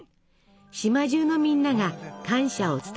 島中のみんなが感謝を伝え合います。